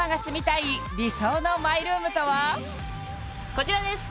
こちらです